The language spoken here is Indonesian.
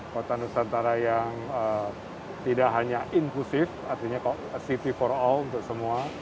kota nusantara yang tidak hanya inklusif artinya city for all untuk semua